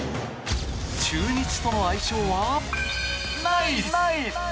中日との相性は、ナイス！